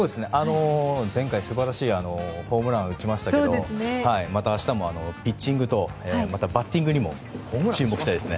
前回、素晴らしいホームランを打ちましたけどまた明日もピッチングとバッティングにも注目したいです。